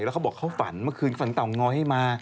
แล้วเขาบอกเขาฝันเมื่อคืนฝันเตาง้อยมา